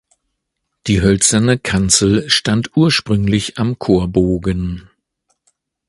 Die hölzerne Kanzel stand ursprünglich am Chorbogen.